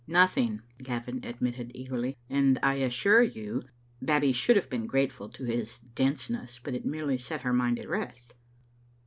"Nothing," Gavin admitted eagerly, "and I assure you " Babbie should have been grateful to his denseness, but it merely set her mind at rest.